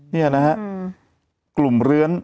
เนี้ยนะฮะรุมหรื้อเลือน